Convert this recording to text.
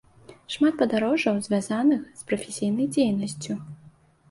Шмат падарожжаў, звязаных з прафесійнай дзейнасцю.